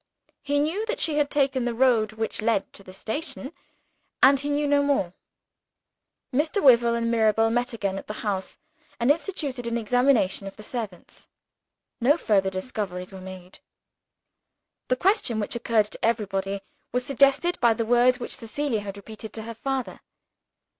He knew that she had taken the road which led to the station and he knew no more. Mr. Wyvil and Mirabel met again at the house, and instituted an examination of the servants. No further discoveries were made. The question which occurred to everybody was suggested by the words which Cecilia had repeated to her father.